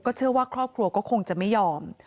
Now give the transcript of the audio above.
เชื่อว่าครอบครัวก็คงจะไม่ยอม